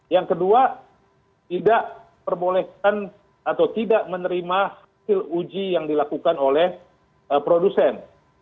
yang kedua tidak perbolehkan atau tidak menerima hasil uji yang dilakukan oleh produsen